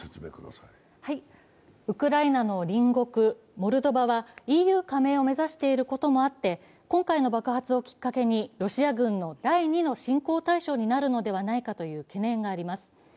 ウクライナの隣国、モルドバは、ＥＵ加盟を目指していることもあって、今回の爆発をきっかけにロシア軍の第２の侵攻対象になるのではないかという懸念があります。